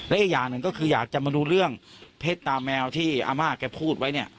และอีกอย่างหนึ่งก็คืออยากจะมาดูเรื่องเพชรตาแมวที่อาม่าแกพูดไว้เนี่ย